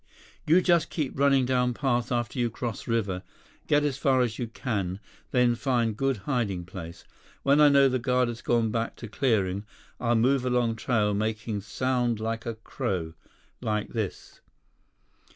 "You just keep running down path after you cross river. Get as far as you can. Then find good hiding place. When I know guard has gone back to clearing, I'll move along trail making sound like a crow. Like this."